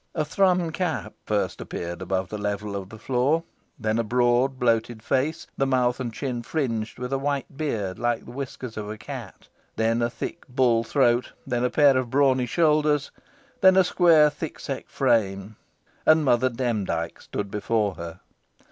A thrum cap first appeared above the level of the floor; then a broad, bloated face, the mouth and chin fringed with a white beard like the whiskers of a cat; then a thick, bull throat; then a pair of brawny shoulders; then a square, thick set frame; and Mother Demdike stood before her.